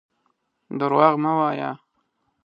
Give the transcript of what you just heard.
درواغ مه وايه.